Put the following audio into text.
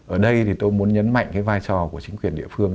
ở đây thì tôi muốn nhấn mạnh cái vai trò của chính quyền địa phương